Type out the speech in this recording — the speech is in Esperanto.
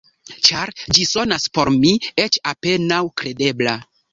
Ĉar ĝi sonas por mi eĉ apenaŭ kredebla.